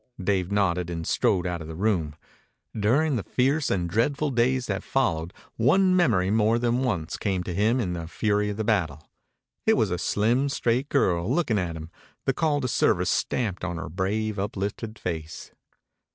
Dave nodded and strode out of the room. During the fierce and dreadful days that followed one memory more than once came to him in the fury of the battle. It was a slim, straight girl looking at him, the call to service stamped on her brave, uplifted face.